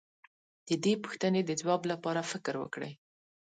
د دې پوښتنې د ځواب لپاره فکر وکړئ.